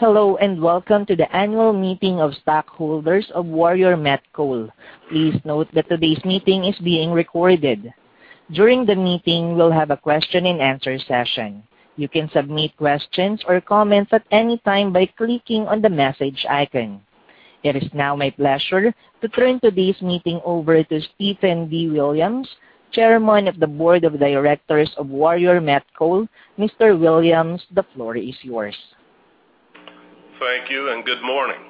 Hello and welcome to the annual meeting of stakeholders of Warrior Met Coal. Please note that today's meeting is being recorded. During the meeting, we'll have a question-and-answer session. You can submit questions or comments at any time by clicking on the message icon. It is now my pleasure to turn today's meeting over to Stephen D. Williams, Chairman of the Board of Directors of Warrior Met Coal. Mr. Williams, the floor is yours. Thank you and good morning.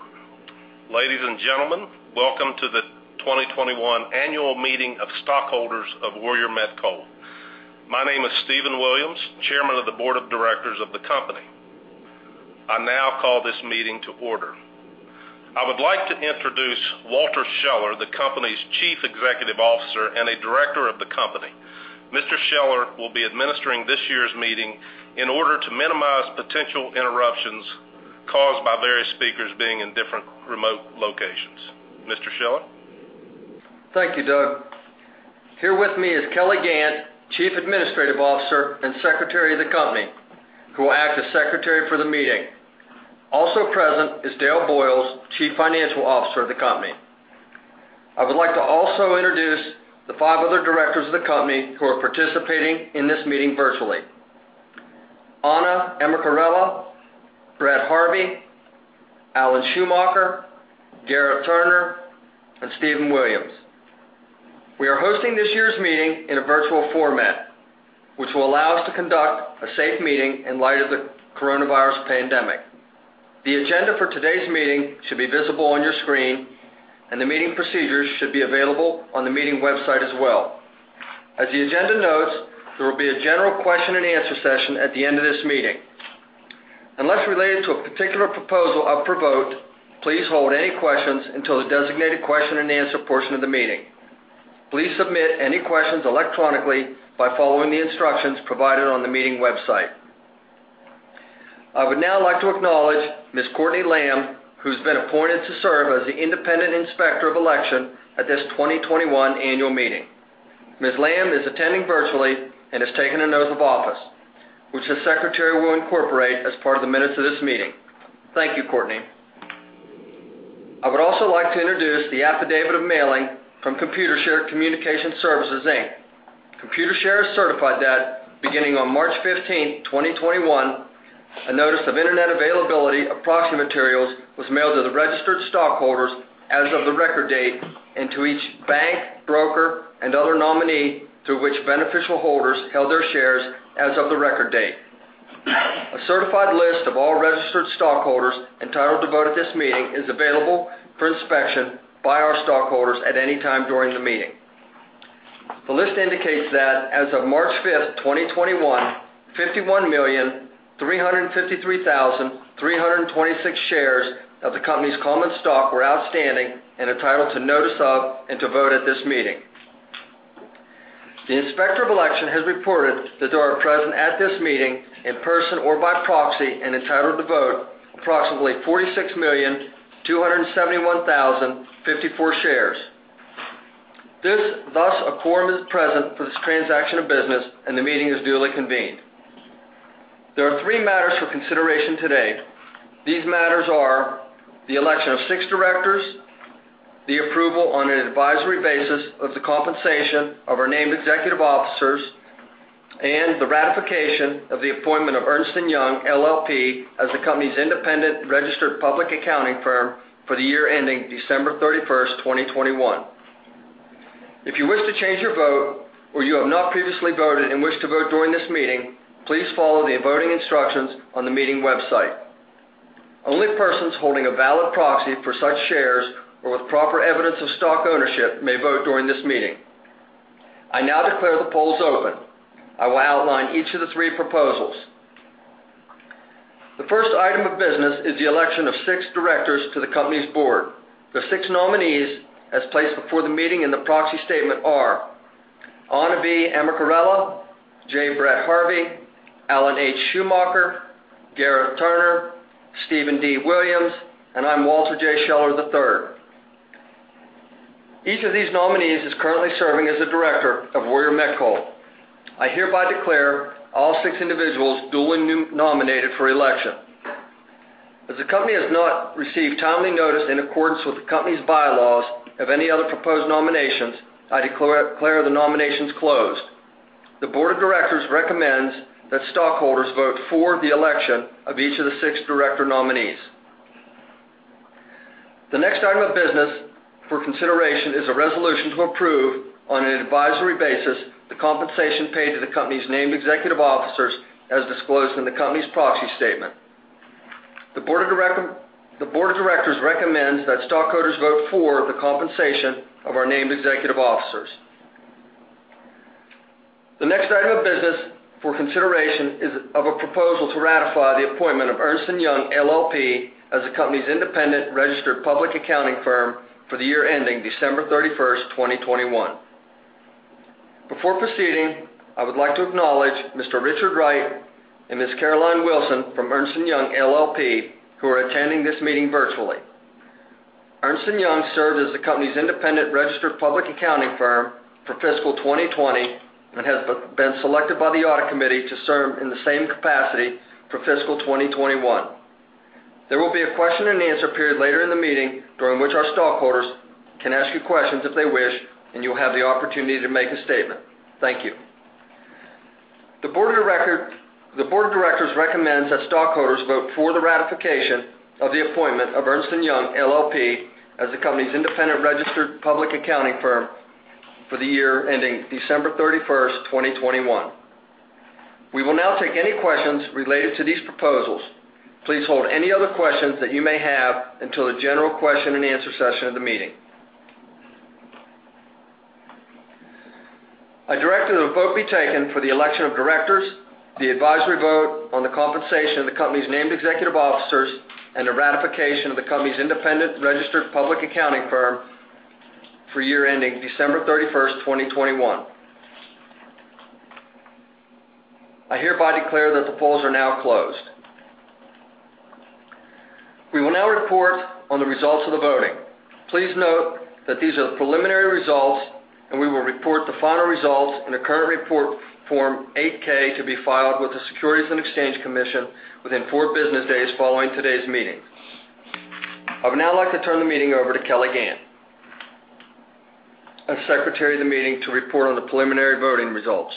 Ladies and gentlemen, welcome to the 2021 annual meeting of stockholders of Warrior Met Coal. My name is Stephen Williams, Chairman of the Board of Directors of the company. I now call this meeting to order. I would like to introduce Walter Scheller, the company's Chief Executive Officer and a Director of the company. Mr. Scheller will be administering this year's meeting in order to minimize potential interruptions caused by various speakers being in different remote locations. Mr. Scheller? Thank you, Doug. Here with me is Kelli Gant, Chief Administrative Officer and Secretary of the company, who will act as Secretary for the meeting. Also present is Dale Boyles, Chief Financial Officer of the company. I would like to also introduce the five other directors of the company who are participating in this meeting virtually: Ana Amicarella, Brett Harvey, Alan Schumacher, Garreth Turner, and Stephen Williams. We are hosting this year's meeting in a virtual format, which will allow us to conduct a safe meeting in light of the coronavirus pandemic. The agenda for today's meeting should be visible on your screen, and the meeting procedures should be available on the meeting website as well. As the agenda notes, there will be a general question-and-answer session at the end of this meeting. Unless related to a particular proposal up for vote, please hold any questions until the designated question-and-answer portion of the meeting. Please submit any questions electronically by following the instructions provided on the meeting website. I would now like to acknowledge Ms. Courtney Lamb, who's been appointed to serve as the Independent Inspector of Election at this 2021 annual meeting. Ms. Lamb is attending virtually and has taken an oath of office, which the Secretary will incorporate as part of the minutes of this meeting. Thank you, Courtney. I would also like to introduce the affidavit of mailing from Computershare Communication Services, Inc. Computershare has certified that, beginning on March 15th, 2021, a notice of internet availability of proxy materials was mailed to the registered stockholders as of the record date and to each bank, broker, and other nominee through which beneficial holders held their shares as of the record date. A certified list of all registered stockholders entitled to vote at this meeting is available for inspection by our stockholders at any time during the meeting. The list indicates that, as of March 5th, 2021, 51,353,326 shares of the company's common stock were outstanding and entitled to notice of and to vote at this meeting. The Inspector of Election has reported that there are present at this meeting in person or by proxy and entitled to vote approximately 46,271,054 shares. Thus, a quorum is present for this transaction of business, and the meeting is duly convened. There are three matters for consideration today. These matters are the election of six directors, the approval on an advisory basis of the compensation of our named executive officers, and the ratification of the appointment of Ernst & Young LLP as the company's independent registered public accounting firm for the year ending December 31st, 2021. If you wish to change your vote or you have not previously voted and wish to vote during this meeting, please follow the voting instructions on the meeting website. Only persons holding a valid proxy for such shares or with proper evidence of stock ownership may vote during this meeting. I now declare the polls open. I will outline each of the three proposals. The first item of business is the election of six directors to the company's board. The six nominees as placed before the meeting in the proxy statement are Ana V. Amicarella. J. Brad Harvey, Alan H. Schumacher, Garreth Turner, Stephen D. Williams, and I'm Walter J. Scheller III. Each of these nominees is currently serving as a director of Warrior Met Coal. I hereby declare all six individuals duly nominated for election. As the company has not received timely notice in accordance with the company's bylaws of any other proposed nominations, I declare the nominations closed. The Board of Directors recommends that stockholders vote for the election of each of the six director nominees. The next item of business for consideration is a resolution to approve on an advisory basis the compensation paid to the company's named executive officers as disclosed in the company's proxy statement. The Board of Directors recommends that stockholders vote for the compensation of our named executive officers. The next item of business for consideration is of a proposal to ratify the appointment of Ernst & Young LLP, as the company's independent registered public accounting firm for the year ending December 31st, 2021. Before proceeding, I would like to acknowledge Mr. Richard Wright and Ms. Caroline Wilson from Ernst & Young LLP, who are attending this meeting virtually. Ernst & Young served as the company's independent registered public accounting firm for fiscal 2020 and has been selected by the audit committee to serve in the same capacity for fiscal 2021. There will be a question-and-answer period later in the meeting during which our stockholders can ask you questions if they wish, and you'll have the opportunity to make a statement. Thank you. The Board of Directors recommends that stockholders vote for the ratification of the appointment of Ernst & Young LLP, as the company's independent registered public accounting firm for the year ending December 31st, 2021. We will now take any questions related to these proposals. Please hold any other questions that you may have until the general question-and-answer session of the meeting. I direct that the vote be taken for the election of directors, the advisory vote on the compensation of the company's named executive officers, and the ratification of the company's independent registered public accounting firm for the year ending December 31st, 2021. I hereby declare that the polls are now closed. We will now report on the results of the voting. Please note that these are preliminary results, and we will report the final results in a current report form 8-K to be filed with the Securities and Exchange Commission within four business days following today's meeting. I would now like to turn the meeting over to Kelli Gant, Secretary of the meeting, to report on the preliminary voting results.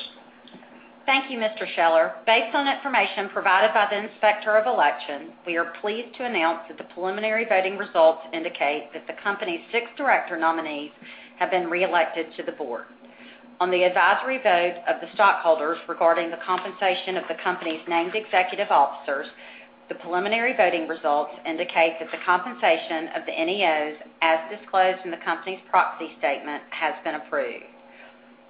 Thank you, Mr. Scheller. Based on information provided by the Inspector of Election, we are pleased to announce that the preliminary voting results indicate that the company's six director nominees have been re-elected to the board. On the advisory vote of the stockholders regarding the compensation of the company's named executive officers, the preliminary voting results indicate that the compensation of the NEOs, as disclosed in the company's proxy statement, has been approved.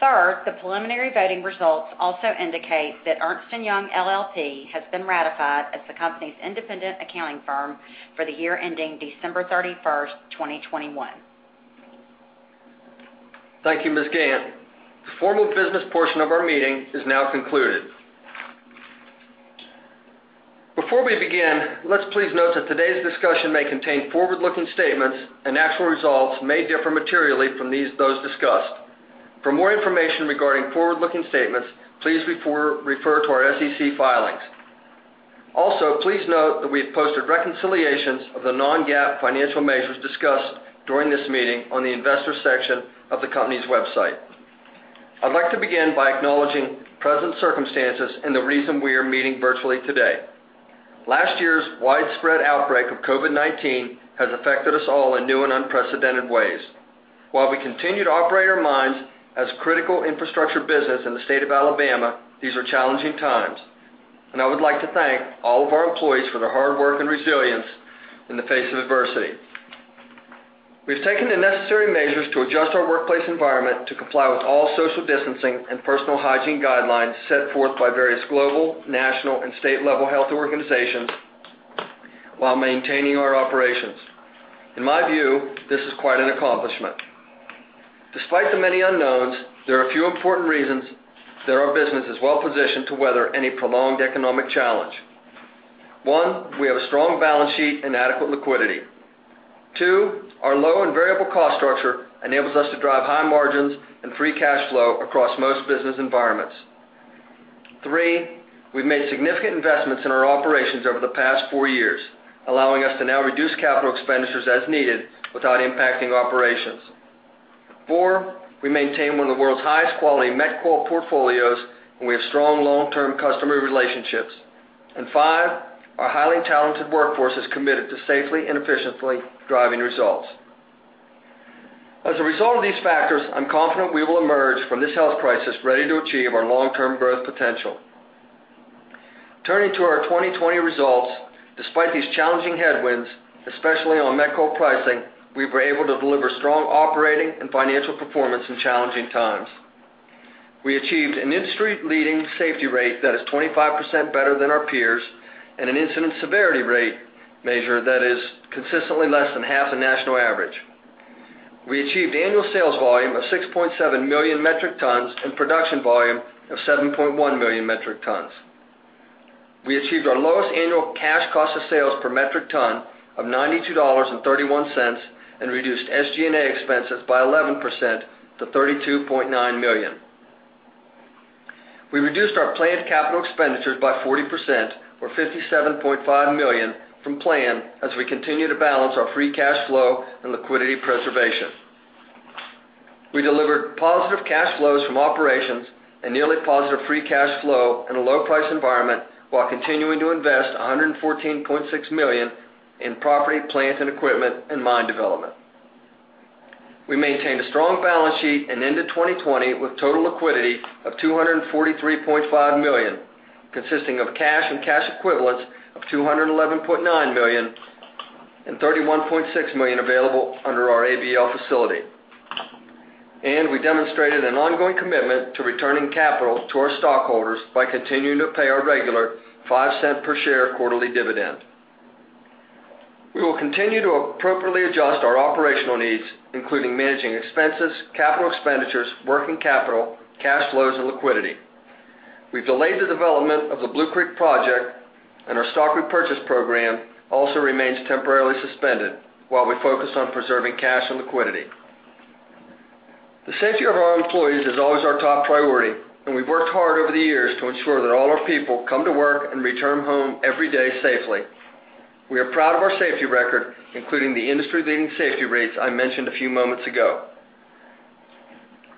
Third, the preliminary voting results also indicate that Ernst & Young LLP has been ratified as the company's independent accounting firm for the year ending December 31, 2021. Thank you, Ms. Gant. The formal business portion of our meeting is now concluded. Before we begin, please note that today's discussion may contain forward-looking statements and actual results may differ materially from those discussed. For more information regarding forward-looking statements, please refer to our SEC filings. Also, please note that we have posted reconciliations of the non-GAAP financial measures discussed during this meeting on the investor section of the company's website. I'd like to begin by acknowledging present circumstances and the reason we are meeting virtually today. Last year's widespread outbreak of COVID-19 has affected us all in new and unprecedented ways. While we continue to operate our mines as a critical infrastructure business in the state of Alabama, these are challenging times, and I would like to thank all of our employees for their hard work and resilience in the face of adversity. We have taken the necessary measures to adjust our workplace environment to comply with all social distancing and personal hygiene guidelines set forth by various global, national, and state-level health organizations while maintaining our operations. In my view, this is quite an accomplishment. Despite the many unknowns, there are a few important reasons that our business is well-positioned to weather any prolonged economic challenge. One, we have a strong balance sheet and adequate liquidity. Two, our low and variable cost structure enables us to drive high margins and free cash flow across most business environments. Three, we've made significant investments in our operations over the past four years, allowing us to now reduce capital expenditures as needed without impacting operations. Four, we maintain one of the world's highest quality Met Coal portfolios, and we have strong long-term customer relationships. Five, our highly talented workforce is committed to safely and efficiently driving results. As a result of these factors, I'm confident we will emerge from this health crisis ready to achieve our long-term growth potential. Turning to our 2020 results, despite these challenging headwinds, especially on Met Coal pricing, we were able to deliver strong operating and financial performance in challenging times. We achieved an industry-leading safety rate that is 25% better than our peers and an incident severity rate measure that is consistently less than half the national average. We achieved annual sales volume of 6.7 million metric tons and production volume of 7.1 million metric tons. We achieved our lowest annual cash cost of sales per metric ton of $92.31 and reduced SG&A expenses by 11% to $32.9 million. We reduced our planned capital expenditures by 40%, or $57.5 million, from plan as we continue to balance our free cash flow and liquidity preservation. We delivered positive cash flows from operations and nearly positive free cash flow in a low-price environment while continuing to invest $114.6 million in property, plant, and equipment, and mine development. We maintained a strong balance sheet and ended 2020 with total liquidity of $243.5 million, consisting of cash and cash equivalents of $211.9 million and $31.6 million available under our ABL facility. We demonstrated an ongoing commitment to returning capital to our stockholders by continuing to pay our regular $0.05 per share quarterly dividend. We will continue to appropriately adjust our operational needs, including managing expenses, capital expenditures, working capital, cash flows, and liquidity. We've delayed the development of the Blue Creek Project, and our stock repurchase program also remains temporarily suspended while we focus on preserving cash and liquidity. The safety of our employees is always our top priority, and we've worked hard over the years to ensure that all our people come to work and return home every day safely. We are proud of our safety record, including the industry-leading safety rates I mentioned a few moments ago.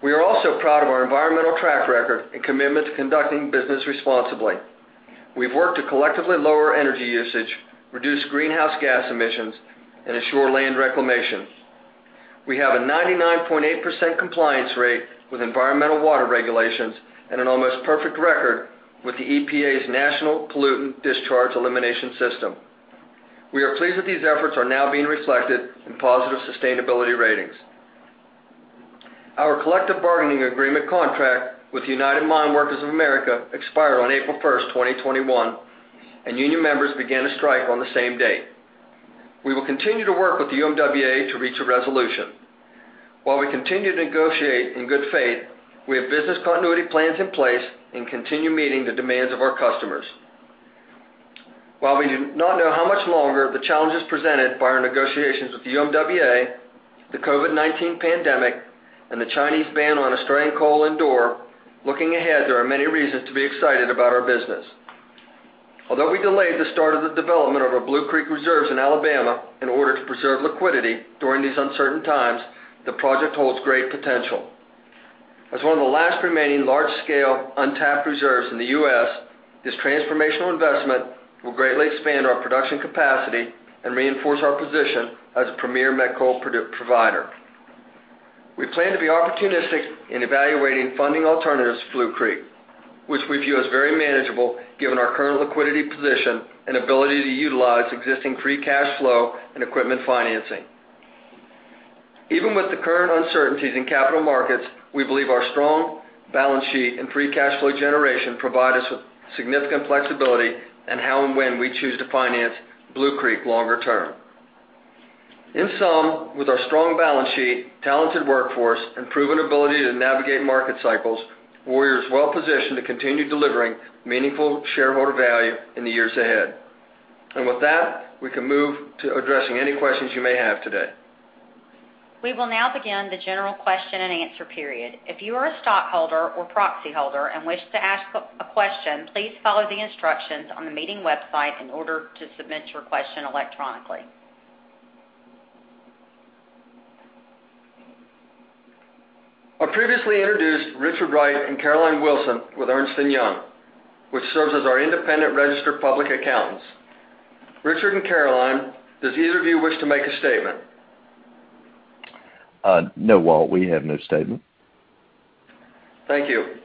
We are also proud of our environmental track record and commitment to conducting business responsibly. We've worked to collectively lower energy usage, reduce greenhouse gas emissions, and ensure land reclamation. We have a 99.8% compliance rate with environmental water regulations and an almost perfect record with the EPA's National Pollutant Discharge Elimination System. We are pleased that these efforts are now being reflected in positive sustainability ratings. Our collective bargaining agreement contract with United Mine Workers of America expired on April 1st, 2021, and union members began a strike on the same date. We will continue to work with the UMWA to reach a resolution. While we continue to negotiate in good faith, we have business continuity plans in place and continue meeting the demands of our customers. While we do not know how much longer the challenges presented by our negotiations with the UMWA, the COVID-19 pandemic, and the Chinese ban on Australian coal endure, looking ahead, there are many reasons to be excited about our business. Although we delayed the start of the development of our Blue Creek Reserves in Alabama in order to preserve liquidity during these uncertain times, the project holds great potential. As one of the last remaining large-scale untapped reserves in the U.S., this transformational investment will greatly expand our production capacity and reinforce our position as a premier Met Coal provider. We plan to be opportunistic in evaluating funding alternatives to Blue Creek, which we view as very manageable given our current liquidity position and ability to utilize existing free cash flow and equipment financing. Even with the current uncertainties in capital markets, we believe our strong balance sheet and free cash flow generation provide us with significant flexibility in how and when we choose to finance Blue Creek longer term. In sum, with our strong balance sheet, talented workforce, and proven ability to navigate market cycles, Warrior is well-positioned to continue delivering meaningful shareholder value in the years ahead. With that, we can move to addressing any questions you may have today. We will now begin the general question-and-answer period. If you are a stockholder or proxy holder and wish to ask a question, please follow the instructions on the meeting website in order to submit your question electronically. Our previously introduced Richard Wright and Caroline Wilson with Ernst & Young, which serves as our independent registered public accountants. Richard and Caroline, does either of you wish to make a statement? No, Walt. We have no statement. Thank you.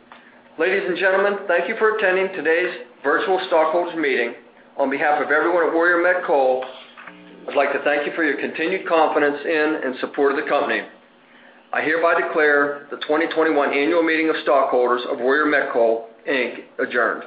Ladies and gentlemen, thank you for attending today's virtual stockholders' meeting. On behalf of everyone at Warrior Met Coal, I'd like to thank you for your continued confidence in and support of the company. I hereby declare the 2021 annual meeting of stockholders of Warrior Met Coal adjourned.